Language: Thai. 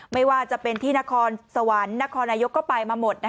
ไม่ว่าจะเป็นที่นครสวรรค์นครนายกก็ไปมาหมด